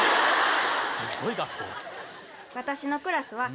すごい学校！